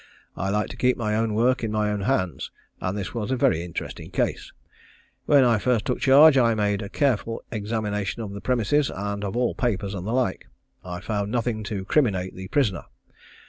I like to keep my own work in my own hands, and this was a very interesting case. When I first took charge I made a careful examination of the premises and of all papers, and the like. I found nothing to criminate the prisoner.